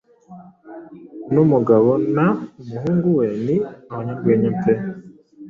Uno mugabo na umuhungu we ni abanyarwenya pe!